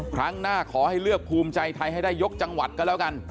ครั้งหน้าขอให้เลือกภูมิใจไทยให้ได้ยกจังหวัดก็แล้วกัน